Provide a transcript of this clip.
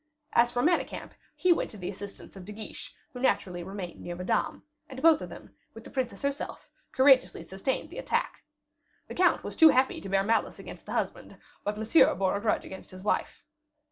As for Manicamp, he went to the assistance of De Guiche, who naturally remained near Madame, and both of them, with the princess herself, courageously sustained the attack. The count was too happy to bear malice against the husband; but Monsieur bore a grudge against his wife.